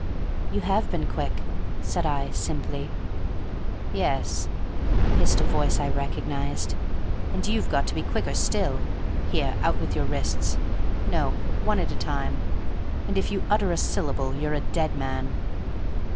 "You have been quick," said I, simply. "Yes," hissed a voice I recognized; "and you've got to be quicker still! Here, out with your wrists; no, one at a time; and if you utter a syllable you're a dead man."